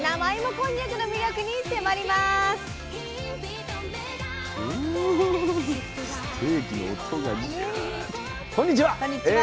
こんにちは。